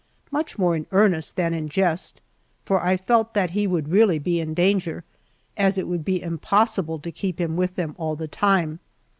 much more in earnest than in jest, for I felt that he would really be in danger, as it would be impossible to keep him with them all the time.